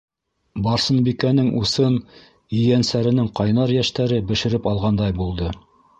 Барсынбикәнең усын ейәнсәренең ҡайнар йәштәре бешереп алғандай булды.